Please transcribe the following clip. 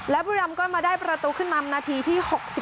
และบุรีรำก็มาได้ประตูขึ้นนำนาทีที่๖๐